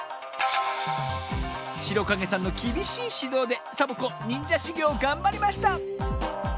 しろかげさんのきびしいしどうでサボ子にんじゃしゅぎょうをがんばりました